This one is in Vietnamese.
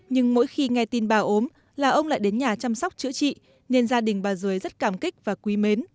nhưng mỗi khi nghe tin bà ốm là ông lại đến nhà chăm sóc chữa trị nên gia đình bà dưới rất cảm kích và quý mến